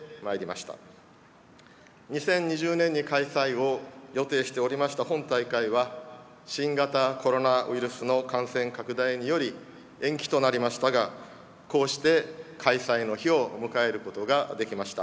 ２０２０年に開催を予定しておりました本大会は新型コロナウイルスの感染拡大により延期となりましたがこうして開催の日を迎えることができました。